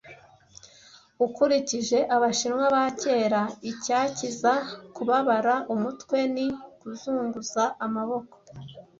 Ukurikije Abashinwa ba kera icyakiza kubabara umutwe ni Kuzunguza amaboko